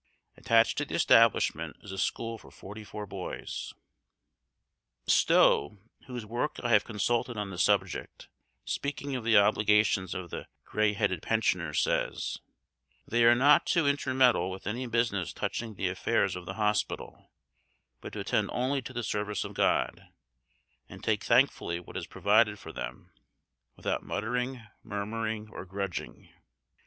Attached to the establishment is a school for forty four boys. Stow, whose work I have consulted on the subject, speaking of the obligations of the gray headed pensioners, says, "They are not to intermeddle with any business touching the affairs of the hospital, but to attend only to the service of God, and take thankfully what is provided for them, without muttering, murmuring, or grudging.